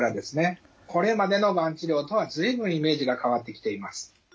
これまでのがん治療とは随分イメージが変わってきています。